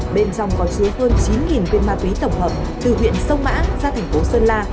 bên trong có chứa hơn chín viên ma túy tổng hợp từ huyện sông mã ra thành phố sơn la